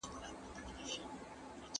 په دربار کي یوه لویه هنګامه وه